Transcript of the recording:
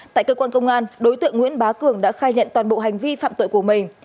tại cơ quan công an đối tượng nguyễn bá cường đã khai nhận toàn bộ hành vi phạm tội của mình